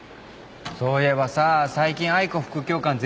そういえばさ最近愛子副教官全然来ないね。